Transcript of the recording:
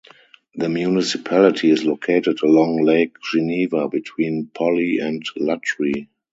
The municipality is located along Lake Geneva between Pully and Lutry.